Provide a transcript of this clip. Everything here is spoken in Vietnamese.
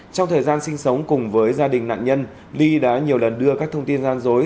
trong thời gian sinh sống cùng với gia đình nạn nhân ly đã nhiều lần đưa các thông tin gian dối